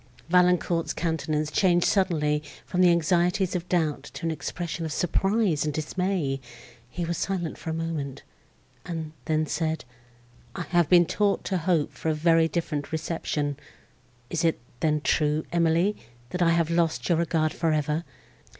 Valancourt's countenance changed suddenly from the anxieties of doubt to an expression of surprise and dismay: he was silent a moment, and then said, "I had been taught to hope for a very different reception! Is it, then, true, Emily, that I have lost your regard for ever?